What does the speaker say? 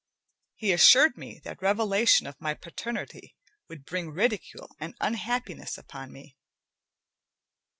He assured me that revelation of my paternity would bring ridicule and unhappiness upon me.